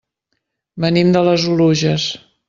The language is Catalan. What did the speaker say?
Venim de les Oluges.